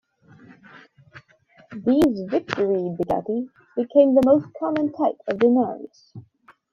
These Victory "bigati" became the most common type of denarius.